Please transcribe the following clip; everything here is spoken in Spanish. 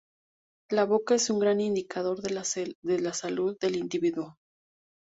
La boca es un gran indicador de la salud del individuo.